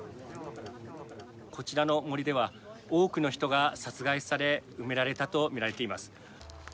こちらの森では、多くの人が殺害され、埋められたと見られています。